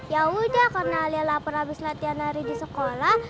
yaudah karena alia lapar abis latihan hari di sekolah